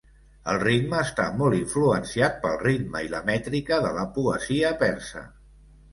El ritme està molt influenciat pel ritme i la mètrica de la poesia persa.